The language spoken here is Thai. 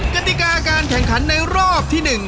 กติกาการแข่งขันในรอบที่๑